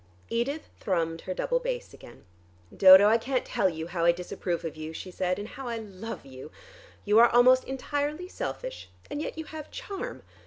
Edith thrummed her double bass again. "Dodo, I can't tell you how I disapprove of you," she said, "and how I love you. You are almost entirely selfish, and yet you have charm.